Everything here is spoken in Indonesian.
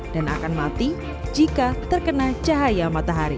dan akan mati jika tidak terkena cahaya matahari